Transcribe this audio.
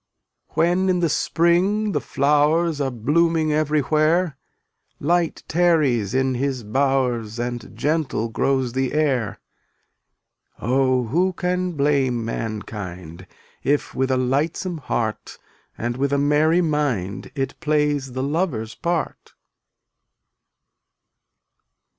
291 When in the spring the flowers Are blooming everywhere, Light tarries in his bowers And gentle grows the air. Oh, who can blame mankind If with a lightsome heart And with a merry mind It plays the lover's part?